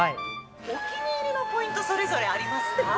お気に入りのポイント、それぞれありますか？